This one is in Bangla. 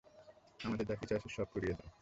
আমাদের যা কিছু আছে সব পুড়িয়ে দাউ।